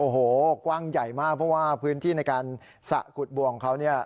โอ้โหกว้างใหญ่มากเพราะว่าพื้นที่ในการสะขุดบวงเขาเนี่ย